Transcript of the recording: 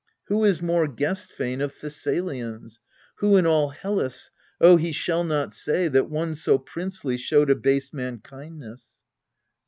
Who is more guest fain of Thessalians? Who in all Hellas? Oh, he shall not say That one so princely showed a base man kindness.